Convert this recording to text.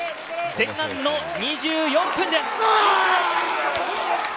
前半の２４分です。